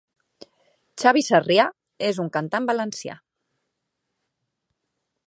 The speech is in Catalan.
Xavi Sarrià és un cantant valencià.